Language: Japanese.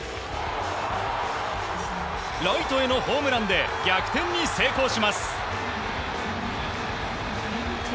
ライトへのホームランで逆転に成功します。